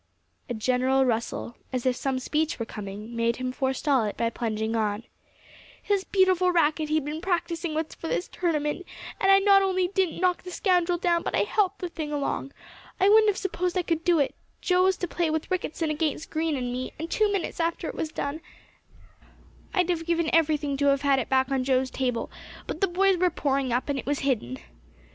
A general rustle, as if some speech were coming, made him forestall it by plunging on, "His beautiful racket he'd been practising with for this tournament; and I not only didn't knock the scoundrel down, but I helped the thing along. I wouldn't have supposed I could do it. Joe was to play with Ricketson against Green and me; and two minutes after it was done, I'd have given everything to have had it back on Joe's table. But the boys were pouring up, and it was hidden."